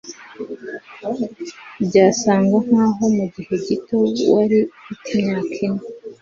Byasaga nkaho mugihe gito wari ufite imyaka ine